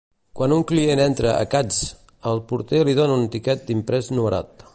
Quan un client entra a Katz's, el porter li dona un tiquet imprès numerat.